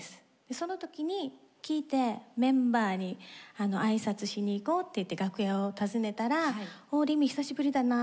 その時に聴いてメンバーに挨拶しに行こうって言って楽屋を訪ねたら「おりみ久しぶりだなぁ。